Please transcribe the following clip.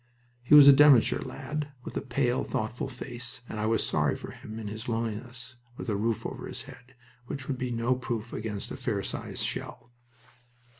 He was a Devonshire lad, with a pale, thoughtful face, and I was sorry for him in his loneliness, with a roof over his head which would be no proof against a fair sized shell.